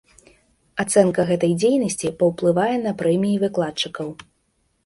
Ацэнка гэтай дзейнасці паўплывае на прэміі выкладчыкаў.